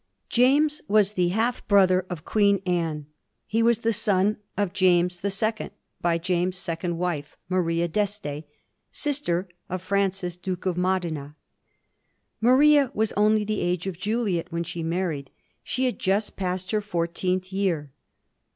James was the step brother of 1*^ ' Queen Anne. He was the son of James the Second, by James's second wife, Maria D'Este, sister to Francis, Duke of Modena. Maria was only the age of Juliet when she married ; she had just passed her fourteenth year.